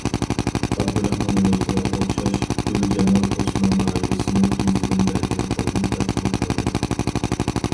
ئابدۇراخمان روزىغا ئوخشاش گۈلجامال ئوسمان ئائىلىسىمۇ يېزىدىن بەرگەن قوينى تاپشۇرۇپ ئالدى.